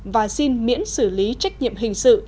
và xin miễn xử lý trách nhiệm hình sự